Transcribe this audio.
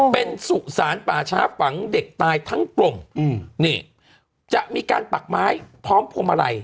เป็นสุสานป่าช้าฝังเด็กตายทั้งกลมอืมนี่จะมีการปักไม้พร้อมพวงมาลัย